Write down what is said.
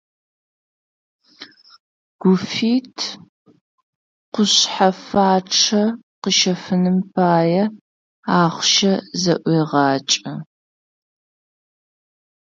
Гуфит кушъхьэфачъэ къыщэфыным пае ахъщэ зэӀуегъэкӏэ.